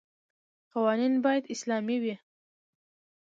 قوانین باید اسلامي وي.